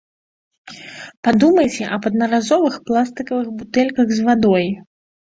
Падумайце аб аднаразовых пластыкавых бутэльках з вадой.